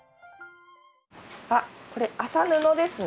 あこれ麻布ですね。